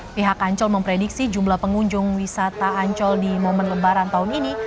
pihak ancol memprediksi jumlah pengunjung wisata ancol di momen lebaran tahun ini